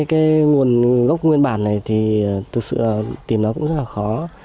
cái nguồn gốc nguyên bản này thì thực sự là tìm nó cũng rất là khó